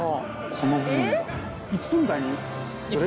この部分が。